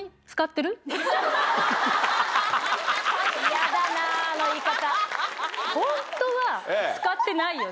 嫌だなあの言い方。